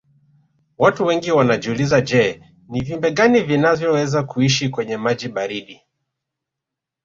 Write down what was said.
Watu wengi wanajiuliza je ni viumbe gani vinavyoweza kuishi kwenye maji baridi